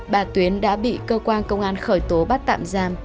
bà tuyến đã bị cơ quan công an khởi tố bắt tạm giam